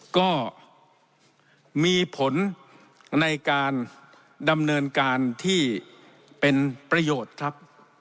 ก็มีผลในการดำเนินการที่เป็นประโยชน์ครับ